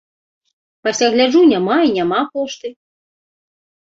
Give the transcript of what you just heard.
Пасля гляджу, няма і няма пошты.